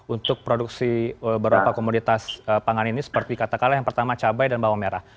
untuk produksi beberapa komoditas pangan ini seperti katakanlah yang pertama cabai dan bawang merah